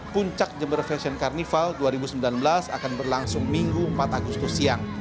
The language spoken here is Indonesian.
puncak jember fashion carnival dua ribu sembilan belas akan berlangsung minggu empat agustus siang